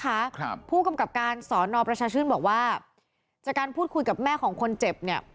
ครับผู้กำกับการสอนอประชาชื่นบอกว่าจากการพูดคุยกับแม่ของคนเจ็บเนี่ย